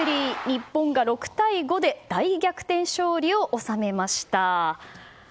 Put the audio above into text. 日本が６対５で大逆転勝利を収めました。